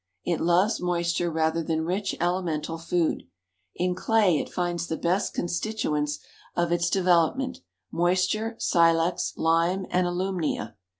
It loves moisture rather than rich elemental food. In clay it finds the best constituents of its development moisture, silex, lime and alumnia.